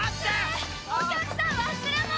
お客さん忘れ物！